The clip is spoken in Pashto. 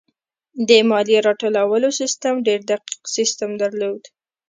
د مالیې راټولولو سیستم ډېر دقیق سیستم درلود.